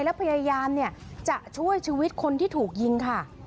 และพยายามจะช่วยชีวิตคนที่ถูกยิงค่ะ